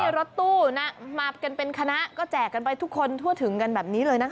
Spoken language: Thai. รถตู้นะมากันเป็นคณะก็แจกกันไปทุกคนทั่วถึงกันแบบนี้เลยนะคะ